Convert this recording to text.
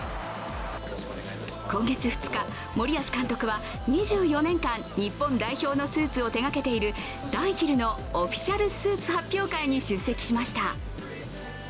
今月２日、森保監督は２４年間、日本代表のスーツを手がけているダンヒルのオフィシャルスーツ発表会に出席しました。